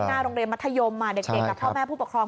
หน้าโรงเรียนมัธยมเด็กและพ่อแม่ผู้ปกครอง